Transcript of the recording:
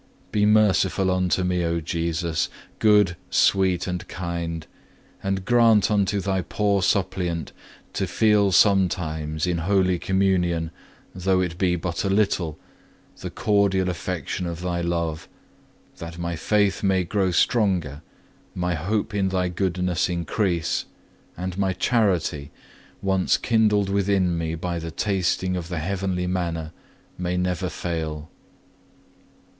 Be merciful unto me, O Jesus, good, sweet, and kind, and grant unto Thy poor suppliant to feel sometimes, in Holy Communion, though it be but a little, the cordial affection of Thy love, that my faith may grow stronger, my hope in Thy goodness increase, and my charity, once kindled within me by the tasting of the heavenly manna, may never fail.